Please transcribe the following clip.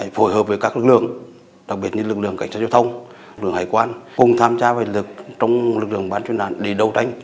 phối hợp với các lực lượng đặc biệt như lực lượng cảnh sát giao thông lực lượng hải quan cùng tham gia vệ lực trong lực lượng bán chuyên nạn để đấu tranh